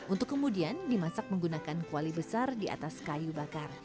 untuk kemudian dimasak menggunakan kuali besar diatas kayu bakar